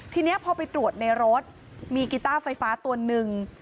ทีนี้พอไปตรวจในรถมีกีต้าไฟฟ้าตัวหนึ่ง